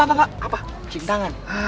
eh pak cinta kan